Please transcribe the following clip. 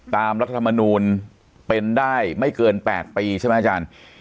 รัฐธรรมนูลเป็นได้ไม่เกิน๘ปีใช่ไหมอาจารย์